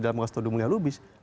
dalam kastil kastil di mungil lubis